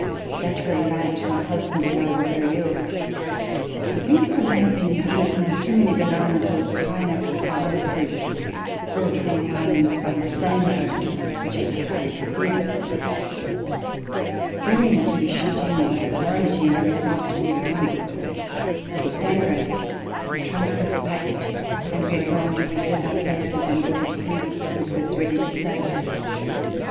That very night my husband and I were very ill; I think from having eaten too many bananas or pineapples or other fruits brought from the Islands by the same boat which had carried the fever. Fearing to be shut in by the quarantine, I resolved to leave at once, and at daybreak our trunk was packed and we had gone to reserve our places on board a sloop which was ready to set sail.